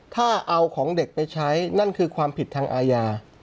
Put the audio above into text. ถ้าเอาของเด็กไปใช้นั่นคือความผิดทางอาญา